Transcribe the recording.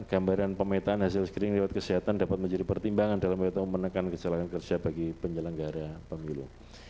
gambaran pemetaan hasil screening lewat kesehatan dapat menjadi pertimbangan dalam menekan kecelakaan kerja bagi penyelenggara pemilu